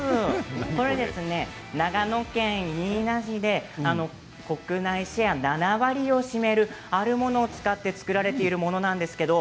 これですね、長野県飯田市で国内シェア７割を占めるあるものを使って作られているものなんですけど